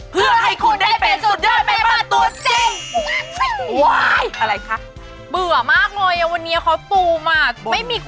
เพื่อให้คุณได้เป็นสุดยอดแม่บ้านตัวจริง